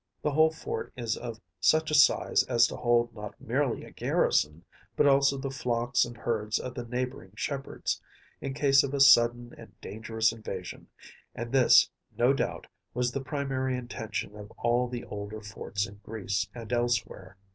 The whole fort is of such a size as to hold not merely a garrison, but also the flocks and herds of the neighboring shepherds, in case of a sudden and dangerous invasion; and this, no doubt, was the primary intention of all the older forts in Greece and elsewhere.